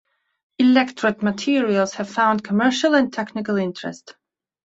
Electret materials have found commercial and technical interest.